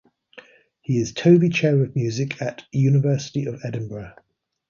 He is Tovey Chair of Music at University of Edinburgh.